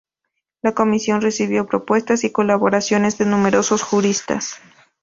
La comisión recibió propuestas y colaboraciones de numerosos juristas.